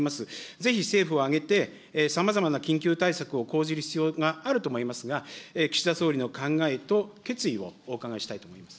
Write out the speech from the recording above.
ぜひ政府を挙げて、さまざまな緊急対策を講じる必要があると思いますが、岸田総理の考えと決意をお伺いしたいと思います。